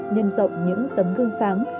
nhân rộng những tấm gương sáng